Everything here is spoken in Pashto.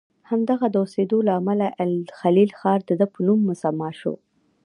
همدلته د اوسیدو له امله الخلیل ښار دده په نوم مسمی شو.